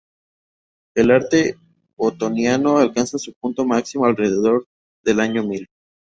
El arte otoniano alcanza su punto máximo alrededor del año mil.